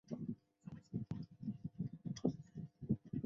吴府千岁还有配偶神吴府千岁夫人。